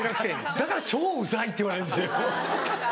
だから超うざいって言われるんですよ。